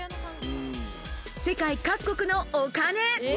世界各国のお金。